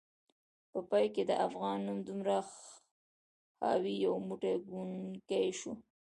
په پای کې د افغان نوم دومره حاوي، یو موټی کونکی شو